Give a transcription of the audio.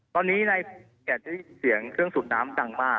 ตอนนี้ในแก่ได้ยินเสียงเครื่องสูบน้ำดังมาก